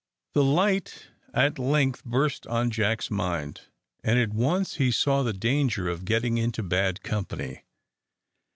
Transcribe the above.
The light at length burst on Jack's mind, and at once he saw the danger of getting into bad company.